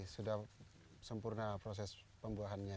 sudah sempurna proses pembuahannya